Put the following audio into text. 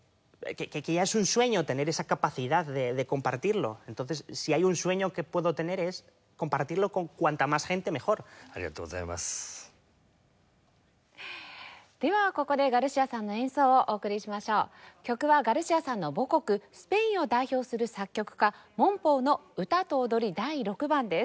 曲はガルシアさんの母国スペインを代表する作曲家モンポウの『歌と踊り第６番』です。